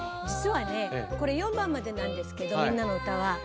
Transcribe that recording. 実はねこれ４番までなんですけど「みんなのうた」は。